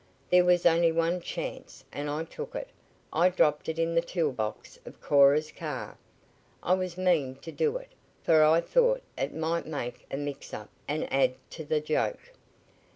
There was only one chance, and I took it. I dropped it in the tool box of Cora's car. I was mean to do it, for I thought it might make a mix up and add to the joke."